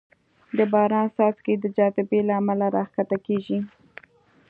د باران څاڅکې د جاذبې له امله راښکته کېږي.